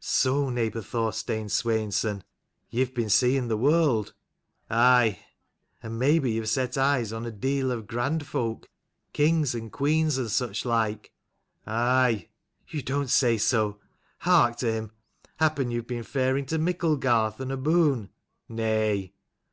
"So, neighbour Thorstein Sweinson, ye've been seeing the world?" "Aye." "And maybe you've set eyes on a deal of grand folk, kings and queens and such like? "Aye." "You don't say so. Hark to him. Happen you've been faring to Micklegarth, and aboon?" "Nay."